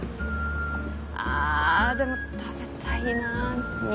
あでも食べたいな肉。